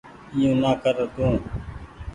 اي يو نا ڪر تو